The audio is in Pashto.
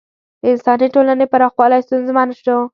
د انساني ټولنې پراخوالی ستونزمن شو.